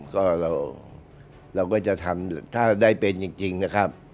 ก็เราก็จะทำถ้าได้เป็นจริงนะครับ